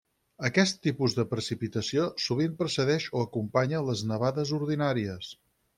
Aquest tipus de precipitació sovint precedeix o acompanya les nevades ordinàries.